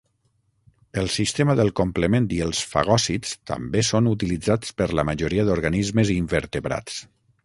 El sistema del complement i els fagòcits també són utilitzats per la majoria d'organismes invertebrats.